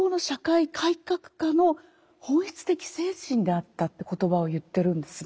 家の本質的精神であったって言葉を言ってるんですね。